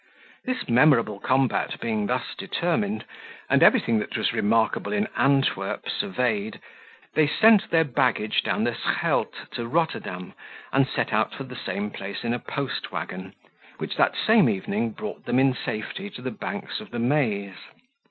This memorable combat being thus determined, and everything that was remarkable in Antwerp surveyed, they sent their baggage down the Scheldt to Rotterdam, and set out for the same place in a post waggon, which that same evening brought them in safety to the banks of the Maese.